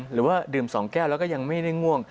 หรือว่าดื่ม๒แก้วแล้วก็ยังไม่ได้ง่วง